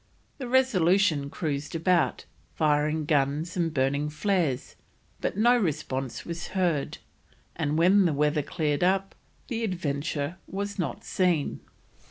The Resolution cruised about, firing guns and burning flares, but no response was heard, and when the weather cleared up, the Adventure was not to be seen.